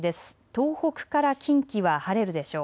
東北から近畿は晴れるでしょう。